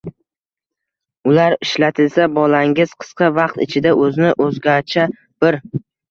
Ular ishlatilsa, bolangiz qisqa vaqt ichida o‘zini o‘zgacha bir